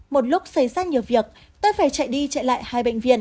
một lúc xảy ra nhiều việc tôi phải chạy đi chạy lại hai bệnh viện